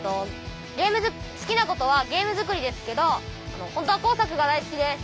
好きなことはゲーム作りですけど本当は工作が大好きです。